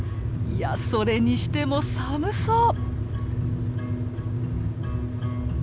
いやそれにしても寒そう！